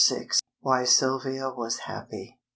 WHY SYLVIA WAS HAPPY.